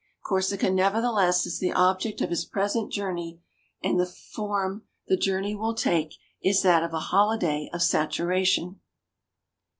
Corsica, nevertheless, is the object of his present journey, and the form the journey will take is that of a holiday of saturation.